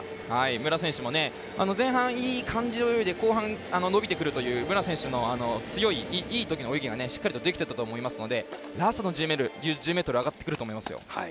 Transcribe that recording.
武良選手も前半いい感じで泳ぎで後半伸びてくるといういいときの泳ぎがしっかりとできてたと思いますので、ラスト１０ｍ上がってくると思います。